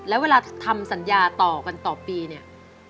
แล้วเวลาทำสัญญาต่อกันต่อปีเนี่ย